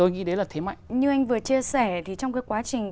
như anh vừa chia sẻ thì trong cái quá trình